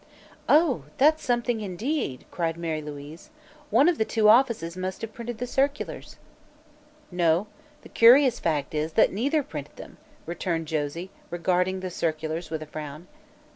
"Oh, that's something, indeed!" cried Mary Louise. "One of the two offices must have printed the circulars." "No; the curious fact is that neither printed them," returned Josie, regarding the circulars with a frown.